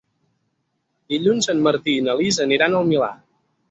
Dilluns en Martí i na Lis aniran al Milà.